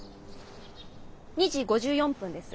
２時５４分です。